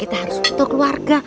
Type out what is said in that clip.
kita harus foto keluarga